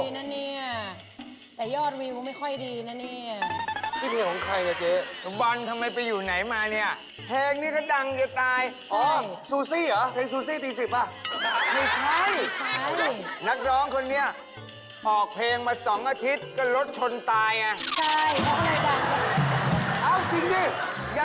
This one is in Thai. นักร้องคนนี้ออกเพลงมา๒อาทิตย์ก็รถชนตาย